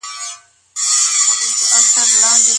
ایا لوی صادروونکي شین ممیز صادروي؟